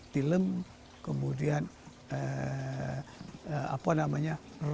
tilem kemudian apa namanya